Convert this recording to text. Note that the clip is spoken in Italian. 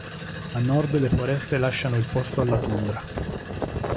A nord le foreste lasciano il posto alla tundra.